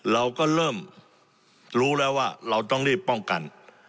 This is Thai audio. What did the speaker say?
เราก็เริ่มรู้แล้วว่าเราต้องรีบป้องกัน